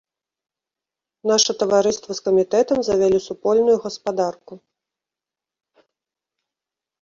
Наша таварыства з камітэтам завялі супольную гаспадарку.